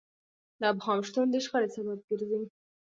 د ابهام شتون د شخړې سبب ګرځي.